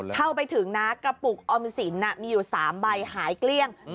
เข้าไปถึงนะกระปุกออมสินมีอยู่๓ใบหายเกลี้ยง